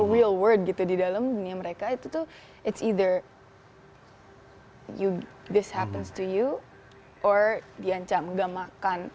a real world gitu di dalam dunia mereka itu tuh it's either this happens to you or diancam nggak makan